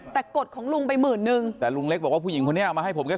แต่กดของลุงไปหมื่นนึงแต่ลุงเล็กบอกว่าผู้หญิงคนนี้เอามาให้ผมแค่